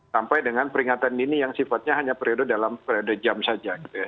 sampai dengan peringatan dini yang sifatnya hanya periode dalam periode jam saja gitu ya